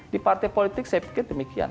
di partai politik saya pikir demikian